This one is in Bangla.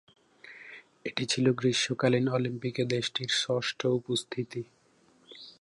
এটি ছিল গ্রীষ্মকালীন অলিম্পিকে দেশটির ষষ্ঠ উপস্থিতি।